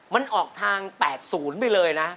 มันออกทาง๘๐ไปเลยนะ